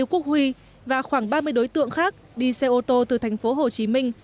quốc huy và khoảng ba mươi đối tượng khác đi xe ô tô từ thành phố hồ chí minh